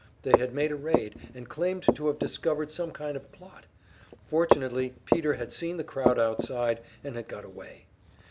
They had made a raid, and claimed to have discovered some kind of plot; fortunately Peter had seen the crowd outside, and had got away.